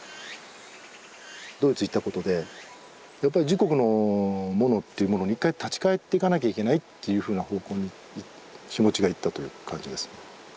ドイツ行ったことでやっぱり自国のものっていうものに一回立ち返っていかなきゃいけないっていうふうな方向に気持ちがいったという感じですね。